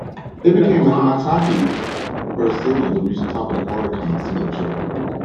It became Hamasaki's first single to reach the top of the Oricon Single Chart.